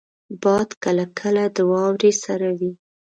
باد کله کله د واورې سره وي